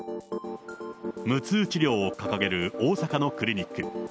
無痛治療を掲げる大阪のクリニック。